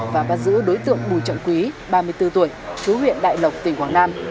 và bắt giữ đối tượng bùi trọng quý ba mươi bốn tuổi chú huyện đại lộc tỉnh quảng nam